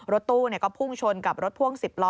รถตู้ก็พุ่งชนกับรถพ่วง๑๐ล้อ